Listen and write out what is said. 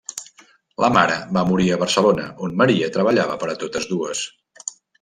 La mare va morir a Barcelona, on Maria treballava per a totes dues.